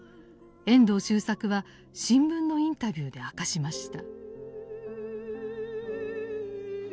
遠藤周作は新聞のインタビューで明かしました。